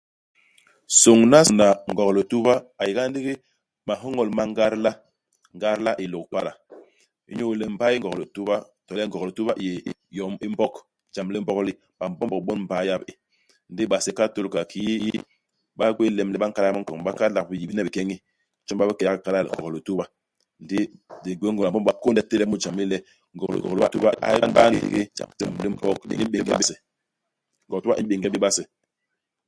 Sôñnasôñna Ngog-Lituba a yé nga ndigi mahoñol ma ngadla, ngadla i Lôk-Pada. Inyu le mbay Ngog-Lituba, to le Ngog-Lituba i yé yom i Mbog ; jam li Mbog li. BaMbombog bon mbay yap i. Ndi base i Katôlika, kiki ba gwéé lem le ba nkadal minkoñ ba kadlak biyimbne bikeñi, jon ba bike yak ikadal Ngog-Lituba. Ndi di gwéé ngôñ le BaMbombob ba kônde telep mu ijam li inyu boñ le Ngog-Lituba a ba ndigi jam li Mbog. Li m'bénge bé base. Ngog-Lituba i m'bénge bé base.